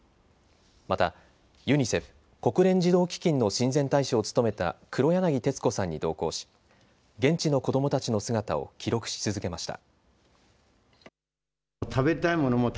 またユニセフ・国連児童基金の親善大使を務めた黒柳徹子さんに同行し現地の子どもたちの姿を記録し続けました。